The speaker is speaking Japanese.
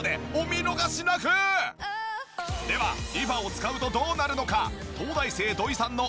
ではリファを使うとどうなるのか？